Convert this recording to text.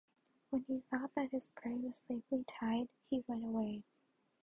When he thought that his prey was safely tied, he went away.